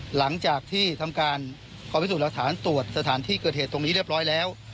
หลังจากที่ทำการกองพิสูจน์หลักฐานตรวจสถานที่เกิดเหตุตรงนี้เรียบร้อยแล้ว